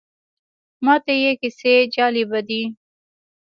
ماته یې کیسې جالبه دي.